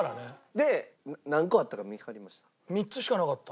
で何個あったか見はりました？